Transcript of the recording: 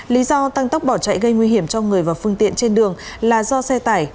lý do tăng tốc bỏ chạy gây nguy hiểm cho người và phương tiện trên đường là do xe tải